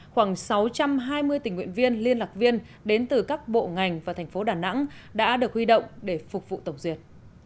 khoảng sáu trăm hai mươi tình nguyện viên liên lạc viên đến từ các bộ ngành và thành phố đà nẵng đã được huy động để phục vụ tổng duyệt